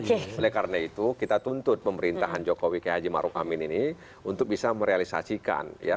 oleh karena itu kita tuntut pemerintahan jokowi k h marukamin ini untuk bisa merealisasikan